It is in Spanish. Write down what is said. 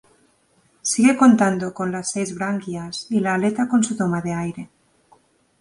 Sigue contando con las seis "branquias" y la aleta con su toma de aire.